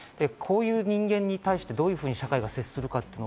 こういう人間に対して、どう社会が接するか。